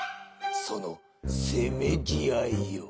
そのせめぎ合いよ。